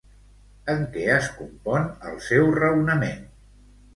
En què es compon el seu raonament?